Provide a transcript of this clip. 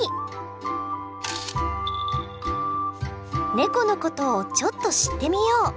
ネコのことをちょっと知ってみよう。